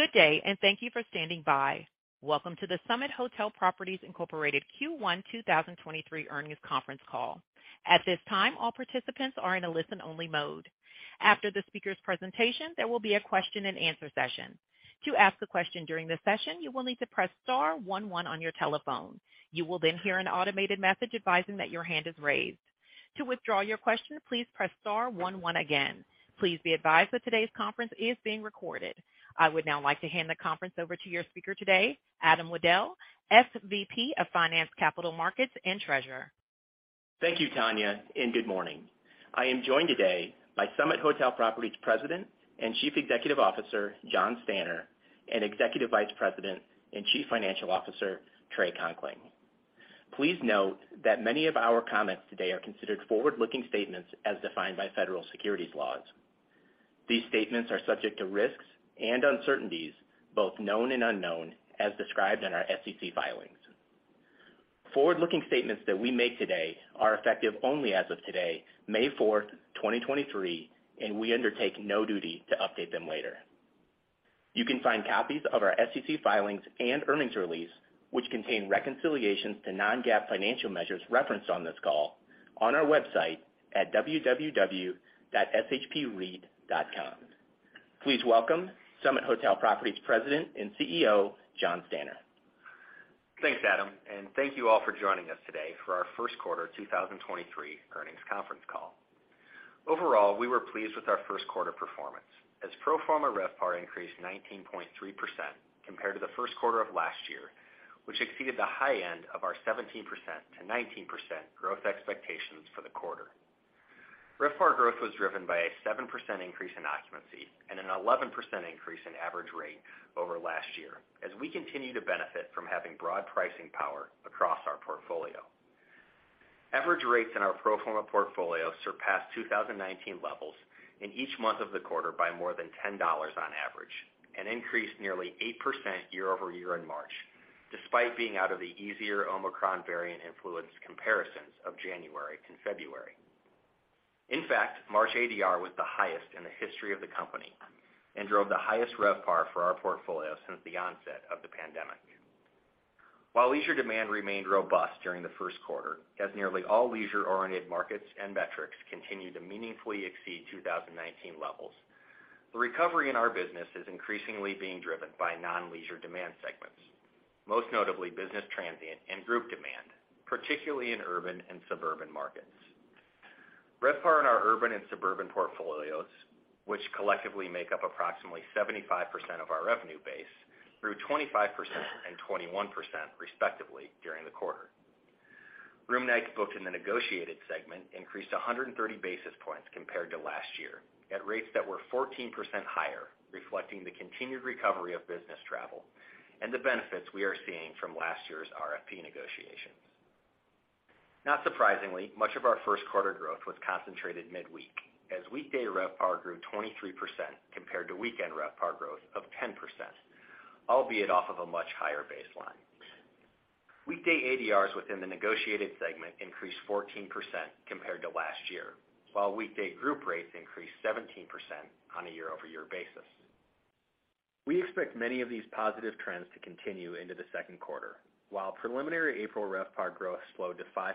Good day. Thank you for standing by. Welcome to the Summit Hotel Properties, Inc. Q1 2023 Earnings Conference Call. At this time, all participants are in a listen-only mode. After the speaker's presentation, there will be a question-and-answer session. To ask a question during this session, you will need to press star one one on your telephone. You will hear an automated message advising that your hand is raised. To withdraw your question, please press star one one again. Please be advised that today's conference is being recorded. I would now like to hand the conference over to your speaker today, Adam Waddell, SVP of Finance, Capital Markets, and Treasurer. Thank you, Tanya, and good morning. I am joined today by Summit Hotel Properties President and Chief Executive Officer, Jonathan Stanner, and Executive Vice President and Chief Financial Officer, Trey Conkling. Please note that many of our comments today are considered forward-looking statements as defined by federal securities laws. These statements are subject to risks and uncertainties, both known and unknown, as described in our SEC filings. Forward-looking statements that we make today are effective only as of today, May 4th, 2023, and we undertake no duty to update them later. You can find copies of our SEC filings and earnings release, which contain reconciliations to non-GAAP financial measures referenced on this call, on our website at www.shpreit.com. Please welcome Summit Hotel Properties President and CEO, Jonathan Stanner. Thanks, Adam, thank you all for joining us today for our First Quarter 2023 Earnings Conference Call. Overall, we were pleased with our first quarter performance as pro forma RevPAR increased 19.3% compared to the first quarter of last year, which exceeded the high end of our 17%-19% growth expectations for the quarter. RevPAR growth was driven by a 7% increase in occupancy and an 11% increase in average rate over last year as we continue to benefit from having broad pricing power across our portfolio. Average rates in our pro forma portfolio surpassed 2019 levels in each month of the quarter by more than $10 on average and increased nearly 8% year-over-year in March, despite being out of the easier Omicron variant influence comparisons of January and February. In fact, March ADR was the highest in the history of the company and drove the highest RevPAR for our portfolio since the onset of the pandemic. While leisure demand remained robust during the first quarter, as nearly all leisure-oriented markets and metrics continued to meaningfully exceed 2019 levels, the recovery in our business is increasingly being driven by non-leisure demand segments, most notably business transient and group demand, particularly in urban and suburban markets. RevPAR in our urban and suburban portfolios, which collectively make up approximately 75% of our revenue base, grew 25% and 21% respectively during the quarter. Room nights booked in the negotiated segment increased 130 basis points compared to last year at rates that were 14% higher, reflecting the continued recovery of business travel and the benefits we are seeing from last year's RFP negotiations. Not surprisingly, much of our first quarter growth was concentrated midweek, as weekday RevPAR grew 23% compared to weekend RevPAR growth of 10%, albeit off of a much higher baseline. Weekday ADRs within the negotiated segment increased 14% compared to last year, while weekday group rates increased 17% on a year-over-year basis. We expect many of these positive trends to continue into the second quarter. While preliminary April RevPAR growth slowed to 5%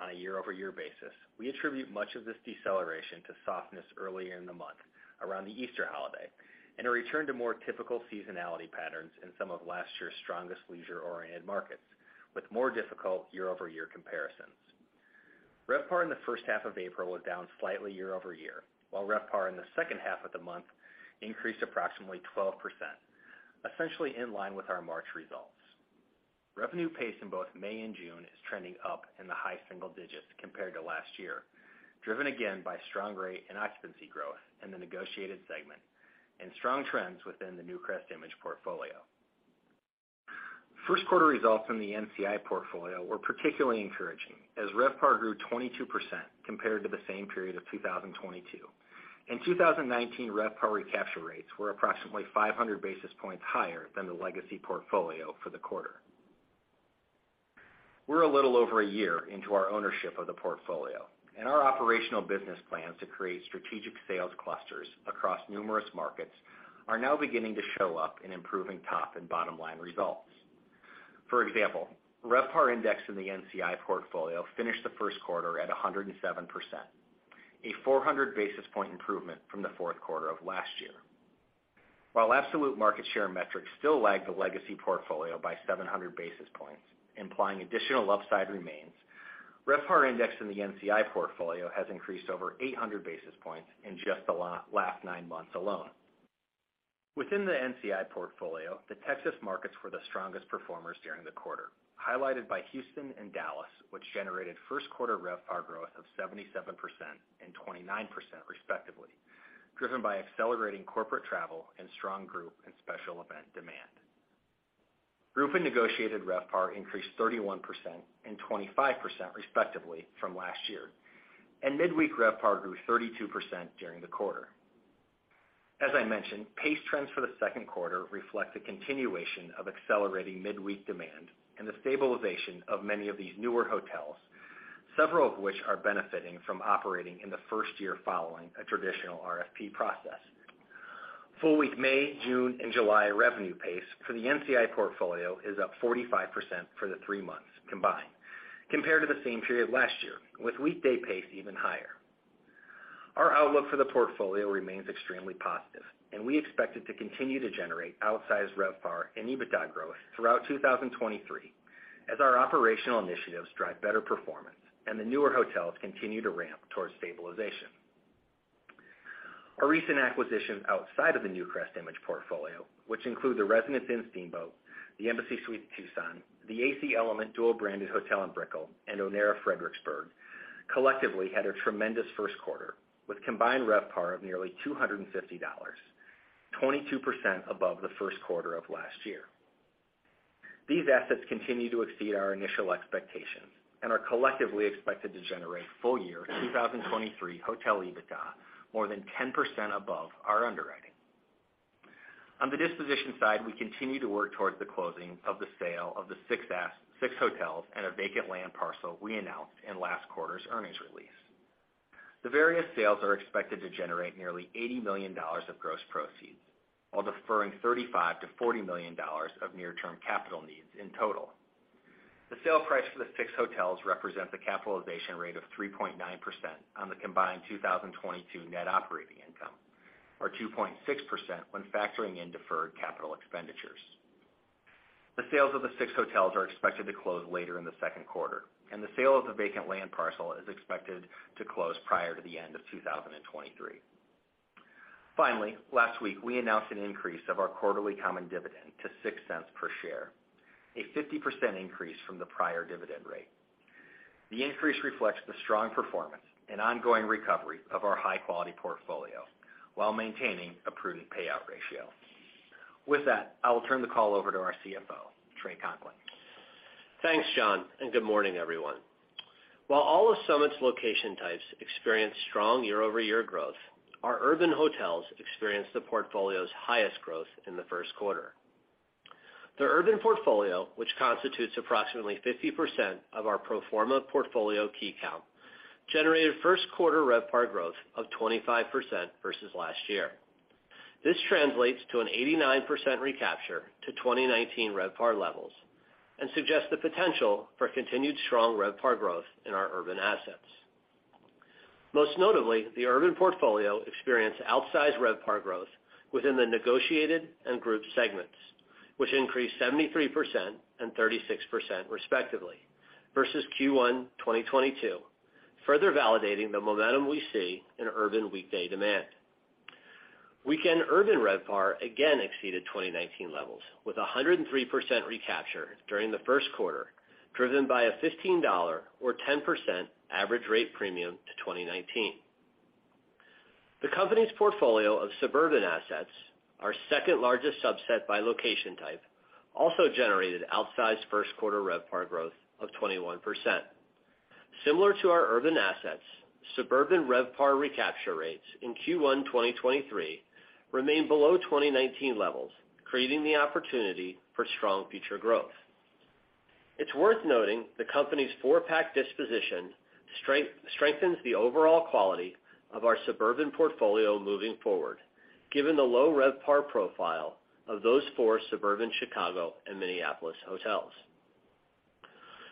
on a year-over-year basis, we attribute much of this deceleration to softness earlier in the month around the Easter holiday and a return to more typical seasonality patterns in some of last year's strongest leisure-oriented markets, with more difficult year-over-year comparisons. RevPAR in the first half of April was down slightly year-over-year, while RevPAR in the second half of the month increased approximately 12%, essentially in line with our March results. Revenue pace in both May and June is trending up in the high single digits compared to last year, driven again by strong rate and occupancy growth in the negotiated segment and strong trends within the NewcrestImage portfolio. First quarter results in the NCI portfolio were particularly encouraging as RevPAR grew 22% compared to the same period of 2022. In 2019, RevPAR recapture rates were approximately 500 basis points higher than the legacy portfolio for the quarter. We're a little over a year into our ownership of the portfolio, our operational business plans to create strategic sales clusters across numerous markets are now beginning to show up in improving top and bottom-line results. For example, RevPAR index in the NCI portfolio finished the first quarter at 107%, a 400 basis point improvement from the fourth quarter of last year. While absolute market share metrics still lag the legacy portfolio by 700 basis points, implying additional upside remains, RevPAR index in the NCI portfolio has increased over 800 basis points in just the last nine months alone. Within the NCI portfolio, the Texas markets were the strongest performers during the quarter, highlighted by Houston and Dallas, which generated first quarter RevPAR growth of 77% and 29% respectively, driven by accelerating corporate travel and strong group and special event demand. Group and negotiated RevPAR increased 31% and 25% respectively from last year, and midweek RevPAR grew 32% during the quarter. As I mentioned, pace trends for the second quarter reflect the continuation of accelerating midweek demand and the stabilization of many of these newer hotels. Several of which are benefiting from operating in the first year following a traditional RFP process. Full week May, June and July revenue pace for the NCI portfolio is up 45% for the three months combined, compared to the same period last year, with weekday pace even higher. Our outlook for the portfolio remains extremely positive, we expect it to continue to generate outsized RevPAR and EBITDA growth throughout 2023 as our operational initiatives drive better performance and the newer hotels continue to ramp towards stabilization. Our recent acquisitions outside of the NewcrestImage portfolio, which include the Residence Inn Steamboat, the Embassy Suites Tucson, the AC Element dual-branded hotel in Brickell, and Onera Fredericksburg, collectively had a tremendous first quarter with combined RevPAR of nearly $250, 22% above the first quarter of last year. These assets continue to exceed our initial expectations and are collectively expected to generate full year 2023 hotel EBITDA more than 10% above our underwriting. On the disposition side, we continue to work towards the closing of the sale of the six hotels and a vacant land parcel we announced in last quarter's earnings release. The various sales are expected to generate nearly $80 million of gross proceeds while deferring $35 million-$40 million of near-term capital needs in total. The sale price for the six hotels represents a capitalization rate of 3.9% on the combined 2022 net operating income, or 2.6% when factoring in deferred capital expenditures. The sales of the six hotels are expected to close later in the second quarter, and the sale of the vacant land parcel is expected to close prior to the end of 2023. Last week, we announced an increase of our quarterly common dividend to $0.06 per share, a 50% increase from the prior dividend rate. The increase reflects the strong performance and ongoing recovery of our high-quality portfolio while maintaining a prudent payout ratio. With that, I will turn the call over to our CFO, Trey Conkling. Thanks, Jon. Good morning, everyone. While all of Summit's location types experienced strong year-over-year growth, our urban hotels experienced the portfolio's highest growth in the first quarter. The urban portfolio, which constitutes approximately 50% of our pro forma portfolio key count, generated first quarter RevPAR growth of 25% versus last year. This translates to an 89% recapture to 2019 RevPAR levels and suggests the potential for continued strong RevPAR growth in our urban assets. Most notably, the urban portfolio experienced outsized RevPAR growth within the negotiated and group segments, which increased 73% and 36% respectively versus Q1 2022, further validating the momentum we see in urban weekday demand. Weekend urban RevPAR again exceeded 2019 levels with a 103% recapture during the first quarter, driven by a $15 or 10% average rate premium to 2019. The company's portfolio of suburban assets, our second-largest subset by location type, also generated outsized first quarter RevPAR growth of 21%. Similar to our urban assets, suburban RevPAR recapture rates in Q1 2023 remained below 2019 levels, creating the opportunity for strong future growth. It's worth noting the company's four-pack disposition strengthens the overall quality of our suburban portfolio moving forward, given the low RevPAR profile of those four suburban Chicago and Minneapolis hotels.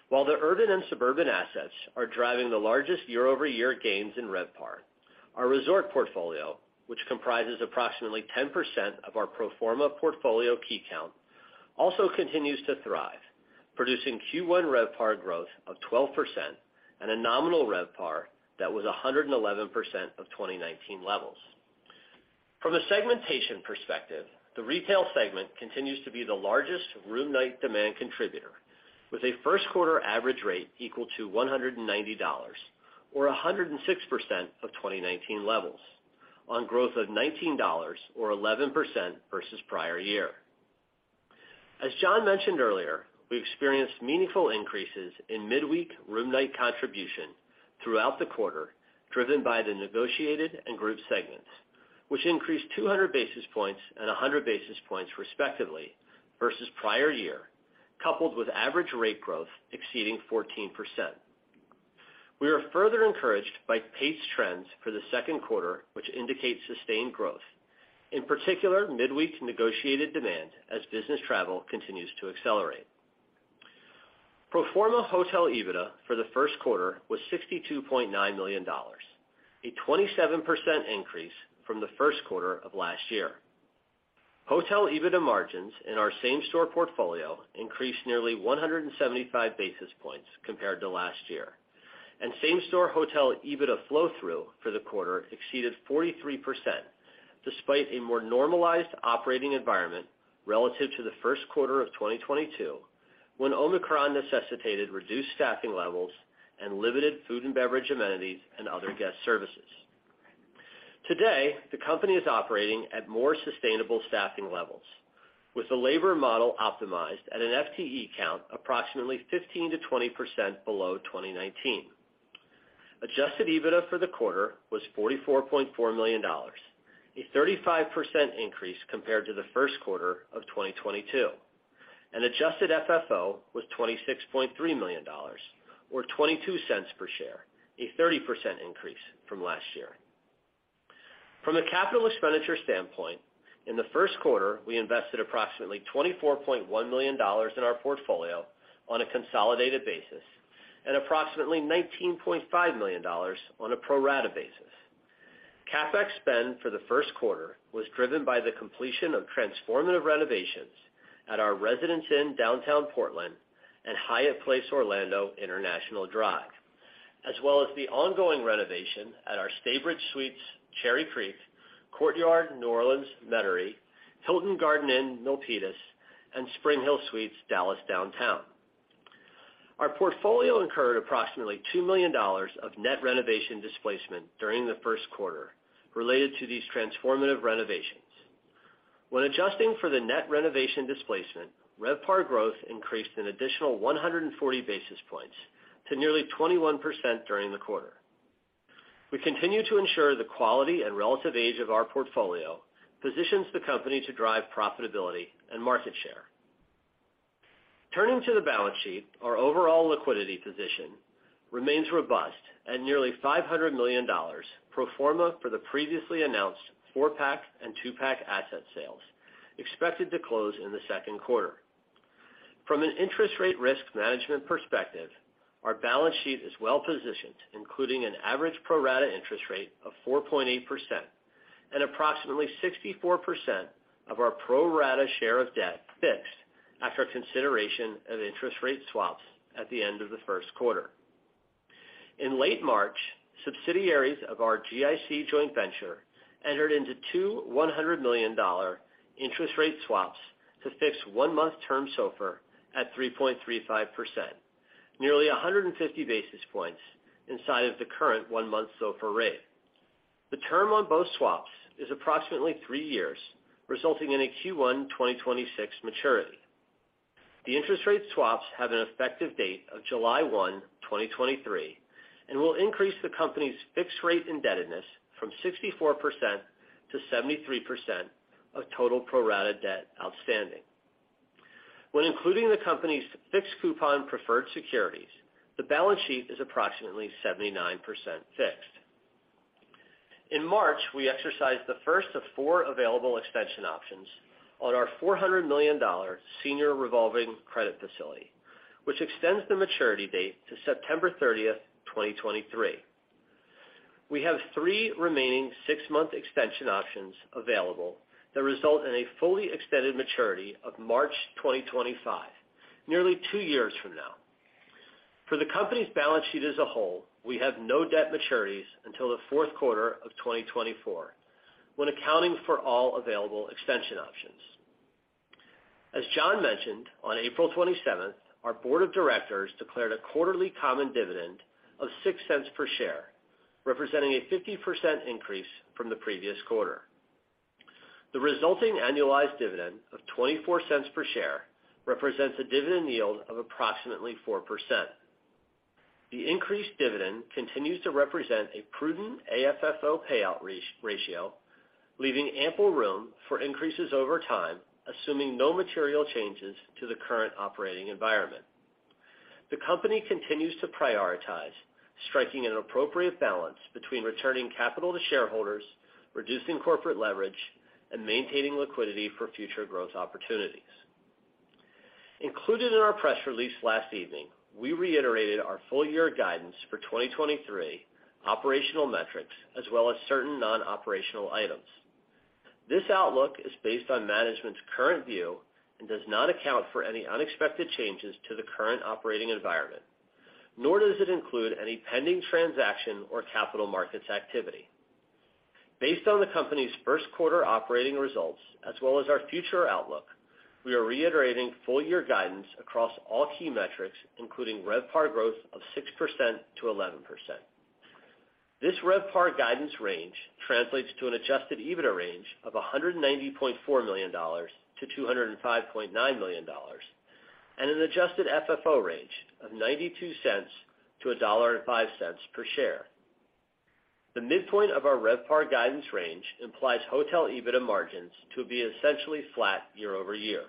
While the urban and suburban assets are driving the largest year-over-year gains in RevPAR, our resort portfolio, which comprises approximately 10% of our pro forma portfolio key count, also continues to thrive, producing Q1 RevPAR growth of 12% and a nominal RevPAR that was 111% of 2019 levels. From a segmentation perspective, the retail segment continues to be the largest room night demand contributor with a first quarter average rate equal to $190 or 106% of 2019 levels on growth of $19 or 11% versus prior year. As Jon mentioned earlier, we experienced meaningful increases in midweek room night contribution throughout the quarter, driven by the negotiated and group segments, which increased 200 basis points and 100 basis points respectively versus prior year, coupled with average rate growth exceeding 14%. We are further encouraged by paced trends for the second quarter, which indicate sustained growth, in particular, midweek negotiated demand as business travel continues to accelerate. Pro forma hotel EBITDA for the first quarter was $62.9 million, a 27% increase from the first quarter of last year. Hotel EBITDA margins in our same-store portfolio increased nearly 175 basis points compared to last year. Same-store hotel EBITDA flow-through for the quarter exceeded 43%, despite a more normalized operating environment relative to the first quarter of 2022, when Omicron necessitated reduced staffing levels and limited food and beverage amenities and other guest services. Today, the company is operating at more sustainable staffing levels, with the labor model optimized at an FTE count approximately 15%-20% below 2019. Adjusted EBITDA for the quarter was $44.4 million, a 35% increase compared to the first quarter of 2022. Adjusted FFO was $26.3 million or $0.22 per share, a 30% increase from last year. From a capital expenditure standpoint, in the first quarter, we invested approximately $24.1 million in our portfolio on a consolidated basis and approximately $19.5 million on a pro rata basis. CapEx spend for the first quarter was driven by the completion of transformative renovations at our Residence Inn downtown Portland and Hyatt Place Orlando International Drive, as well as the ongoing renovation at our Staybridge Suites, Cherry Creek, Courtyard New Orleans Metairie, Hilton Garden Inn, Milpitas, and SpringHill Suites, Dallas Downtown. Our portfolio incurred approximately $2 million of net renovation displacement during the first quarter related to these transformative renovations. When adjusting for the net renovation displacement, RevPAR growth increased an additional 140 basis points to nearly 21% during the quarter. We continue to ensure the quality and relative age of our portfolio positions the company to drive profitability and market share. Turning to the balance sheet, our overall liquidity position remains robust at nearly $500 million pro forma for the previously announced four-pack and two-pack asset sales expected to close in the second quarter. From an interest rate risk management perspective, our balance sheet is well positioned, including an average pro rata interest rate of 4.8% and approximately 64% of our pro rata share of debt fixed after consideration of interest rate swaps at the end of the first quarter. In late March, subsidiaries of our GIC joint venture entered into two $100 million interest rate swaps to fix one-month term SOFR at 3.35%, nearly 150 basis points inside of the current one-month SOFR rate. The term on both swaps is approximately three years, resulting in a Q1 2026 maturity. The interest rate swaps have an effective date of July 1, 2023, and will increase the company's fixed rate indebtedness from 64% to 73% of total pro rata debt outstanding. When including the company's fixed coupon preferred securities, the balance sheet is approximately 79% fixed. In March, we exercised the first of four available extension options on our $400 million senior revolving credit facility, which extends the maturity date to September 30th, 2023. We have three remaining six-month extension options available that result in a fully extended maturity of March 2025, nearly two years from now. For the company's balance sheet as a whole, we have no debt maturities until the fourth quarter of 2024 when accounting for all available extension options. As Jon mentioned, on April 27th, our board of directors declared a quarterly common dividend of $0.06 per share, representing a 50% increase from the previous quarter. The resulting annualized dividend of $0.24 per share represents a dividend yield of approximately 4%. The increased dividend continues to represent a prudent AFFO payout re-ratio, leaving ample room for increases over time, assuming no material changes to the current operating environment. The company continues to prioritize striking an appropriate balance between returning capital to shareholders, reducing corporate leverage, and maintaining liquidity for future growth opportunities. Included in our press release last evening, we reiterated our full year guidance for 2023 operational metrics as well as certain non-operational items. This outlook is based on management's current view and does not account for any unexpected changes to the current operating environment, nor does it include any pending transaction or capital markets activity. Based on the company's first quarter operating results as well as our future outlook, we are reiterating full year guidance across all key metrics, including RevPAR growth of 6%-11%. This RevPAR guidance range translates to an Adjusted EBITDA range of $190.4 million-$205.9 million and an Adjusted FFO range of $0.92-$1.05 per share. The midpoint of our RevPAR guidance range implies hotel EBITDA margins to be essentially flat year-over-year.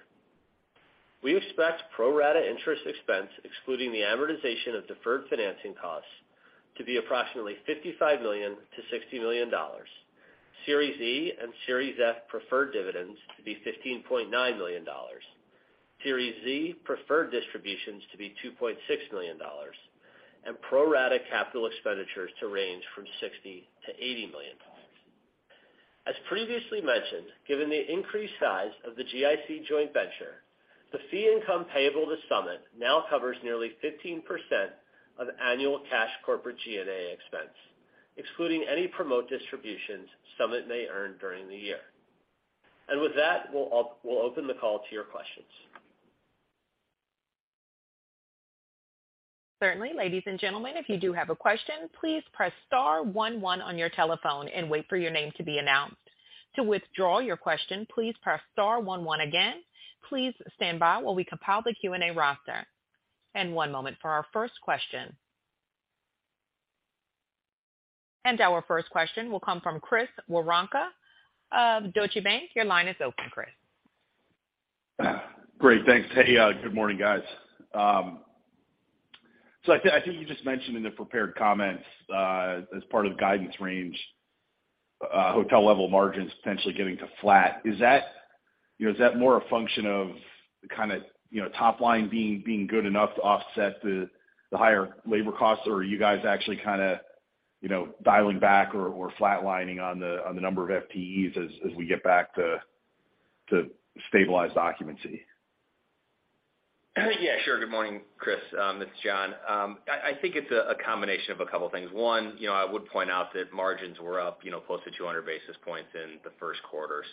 We expect pro rata interest expense, excluding the amortization of deferred financing costs, to be approximately $55 million-$60 million. Series E and Series F preferred dividends to be $15.9 million. Series Z preferred distributions to be $2.6 million and pro rata capital expenditures to range from $60 million-$80 million. As previously mentioned, given the increased size of the GIC joint venture, the fee income payable to Summit now covers nearly 15% of annual cash corporate G&A expense, excluding any promote distributions Summit may earn during the year. With that, we'll open the call to your questions. Certainly. Ladies and gentlemen, if you do have a question, please press star one one on your telephone and wait for your name to be announced. To withdraw your question, please press star one one again. Please stand by while we compile the Q&A roster. One moment for our first question. Our first question will come from Chris Woronka of Deutsche Bank. Your line is open, Chris. Great. Thanks. Hey, good morning, guys. I think you just mentioned in the prepared comments, as part of the guidance range, hotel level margins potentially getting to flat. You know, is that more a function of the kinda, you know, top line being good enough to offset the higher labor costs, or are you guys actually kinda, you know, dialing back or flatlining on the number of FTEs as we get back to stabilized occupancy? Yeah, sure. Good morning, Chris. This is Jon. I think it's a combination of a couple things. One, you know, I would point out that margins were up, you know, close to 200 basis points in the first quarter.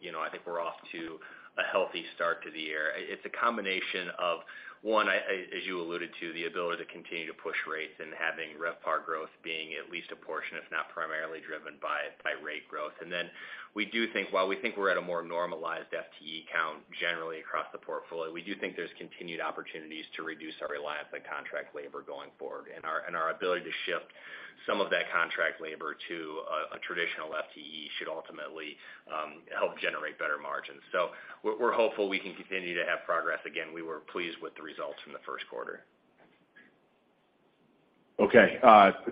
You know, I think we're off to a healthy start to the year. It's a combination of, one, as you alluded to, the ability to continue to push rates and having RevPAR growth being at least a portion, if not primarily driven by rate growth. Then we do think, while we think we're at a more normalized FTE count generally across the portfolio, we do think there's continued opportunities to reduce our reliance on contract labor going forward. Our ability to shift some of that contract labor to a traditional FTE should ultimately help generate better margins. We're hopeful we can continue to have progress. We were pleased with the results from the first quarter. Okay.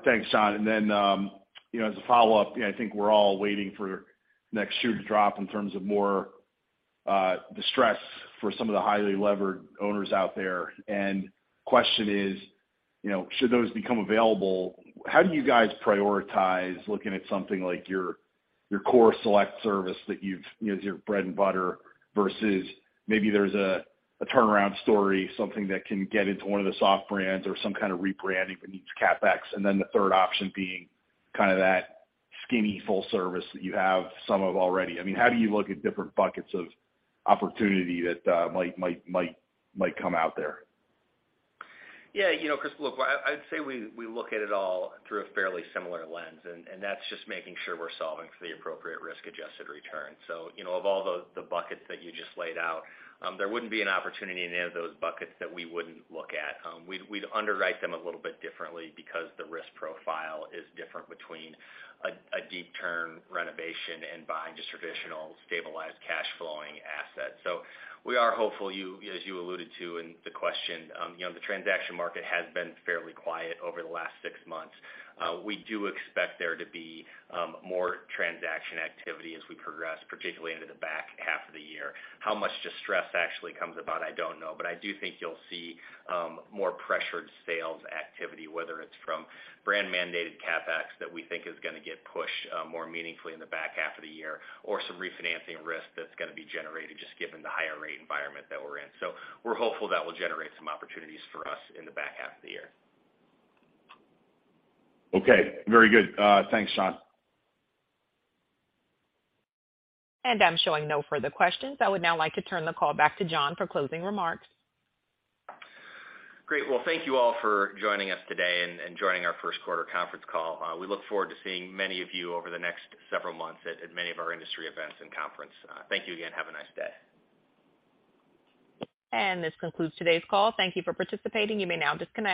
Thanks, Jon. Then, you know, as a follow-up, you know, I think we're all waiting for next shoe to drop in terms of more distress for some of the highly levered owners out there. Question is, you know, should those become available, how do you guys prioritize looking at something like your core select service that you've, you know, is your bread and butter versus maybe there's a turnaround story, something that can get into one of the soft brands or some kind of rebranding that needs CapEx, and then the third option being kind of that skinny full service that you have some of already? I mean, how do you look at different buckets of opportunity that might come out there? Yeah, you know, Chris, look, I'd say we look at it all through a fairly similar lens, and that's just making sure we're solving for the appropriate risk-adjusted return. You know, of all the buckets that you just laid out, there wouldn't be an opportunity in any of those buckets that we wouldn't look at. We'd underwrite them a little bit differently because the risk profile is different between a deep turn renovation and buying just traditional stabilized cash flowing assets. We are hopeful you, as you alluded to in the question, you know, the transaction market has been fairly quiet over the last six months. We do expect there to be more transaction activity as we progress, particularly into the back half of the year. How much distress actually comes about? I don't know. I do think you'll see, more pressured sales activity, whether it's from brand-mandated CapEx that we think is gonna get pushed, more meaningfully in the back half of the year, or some refinancing risk that's gonna be generated just given the higher rate environment that we're in. We're hopeful that will generate some opportunities for us in the back half of the year. Okay. Very good. thanks, Jon. I'm showing no further questions. I would now like to turn the call back to Jon for closing remarks. Great. Well, thank you all for joining us today and joining our first quarter conference call. We look forward to seeing many of you over the next several months at many of our industry events and conference. Thank you again. Have a nice day. This concludes today's call. Thank you for participating. You may now disconnect.